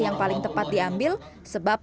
yang paling tepat diambil sebab